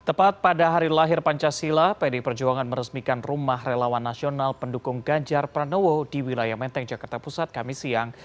tepat pada hari lahir pancasila pd perjuangan meresmikan rumah relawan nasional pendukung ganjar pranowo di wilayah menteng jakarta pusat kami siang